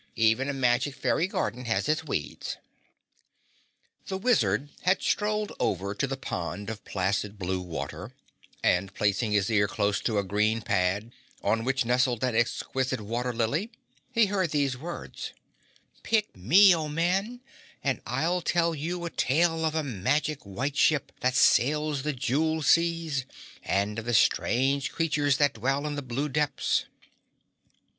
Even a magic fairy garden has its weeds." The Wizard had strolled over to the pond of placid blue water, and placing his ear close to a green pad on which nestled an exquisite water lily, he heard these words, "Pick me, O Man, and I'll tell you a tale of a magic white ship that sails the jeweled seas and of the strange creatures that dwell in the blue depths."